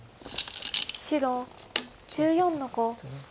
白１４の五。